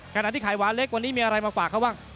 ขณะที่ไข่หวานเล็กวันนี้มีอะไรมาฝากเขาบ้าง